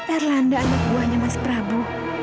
erlanda anak buahnya mas prabu